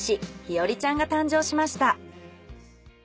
桧和ちゃんが誕生しました。